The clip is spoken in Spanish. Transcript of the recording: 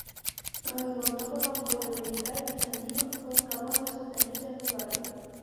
Aunque contó con apoyo militar bizantino, fue incapaz de sostenerse en Bulgaria.